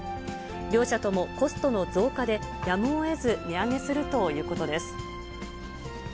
両社ともコストの増加で、やむをえず値上げするということです。